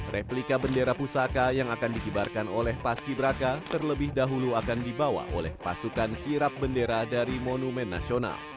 replika bendera pusaka yang akan dikibarkan oleh paski braka terlebih dahulu akan dibawa oleh pasukan kirap bendera dari monumen nasional